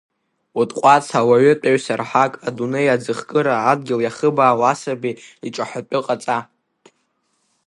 Утҟәац ауаатәыҩса рҳақ, адунеи аӡыхкыра, адгьыл иахыбаау асаби иҿаҳәатәы ҟаҵа.